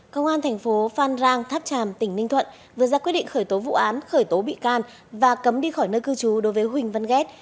công an thành phố phan rang tháp tràm tỉnh ninh thuận vừa ra quyết định khởi tố vụ án khởi tố bị can và cấm đi khỏi nơi cư trú đối với huỳnh văn ghét